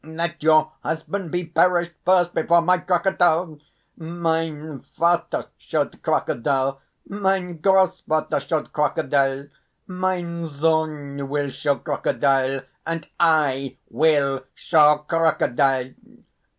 let your husband be perished first, before my crocodile!... Mein Vater showed crocodile, mein Grossvater showed crocodile, mein Sohn will show crocodile, and I will show crocodile!